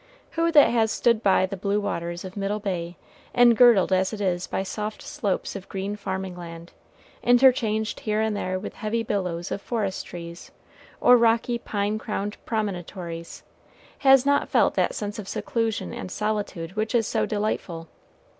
Who that has stood by the blue waters of Middle Bay, engirdled as it is by soft slopes of green farming land, interchanged here and there with heavy billows of forest trees, or rocky, pine crowned promontories, has not felt that sense of seclusion and solitude which is so delightful?